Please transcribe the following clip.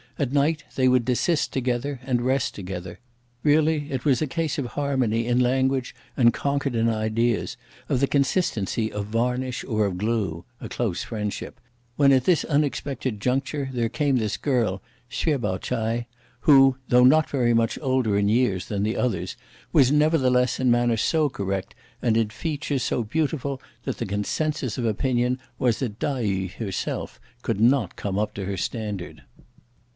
At night, they would desist together, and rest together. Really it was a case of harmony in language and concord in ideas, of the consistency of varnish or of glue, (a close friendship), when at this unexpected juncture there came this girl, Hsüeh Pao ch'ai, who, though not very much older in years (than the others), was, nevertheless, in manner so correct, and in features so beautiful that the consensus of opinion was that Tai yü herself could not come up to her standard.